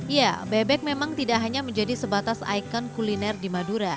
ya bebek memang tidak hanya menjadi sebatas ikon kuliner di madura